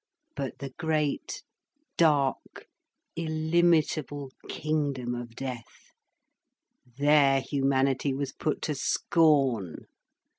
But the great, dark, illimitable kingdom of death, there humanity was put to scorn.